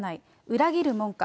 裏切るもんか。